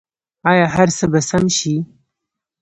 آیا هر څه به سم شي؟